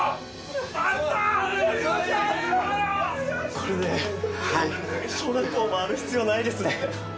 これで小学校回る必要ないですね。